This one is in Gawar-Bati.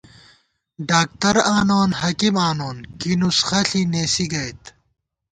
ڈاکترآنون حکیم آنون کی نُسخہ ݪی نېسی گئیت